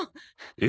え？